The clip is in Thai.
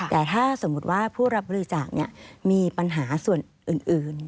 แต่ถ้าสมมุติว่าผู้รับบริจาคมีปัญหาส่วนอื่น